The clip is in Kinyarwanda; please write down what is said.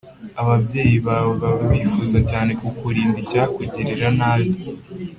Ababyeyi bawe baba bifuza cyane kukurinda icyakugirira nabi